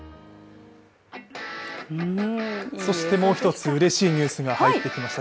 そしてもう一つ、うれしいニュースが入ってきました。